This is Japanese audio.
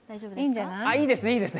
ああ、いいですね！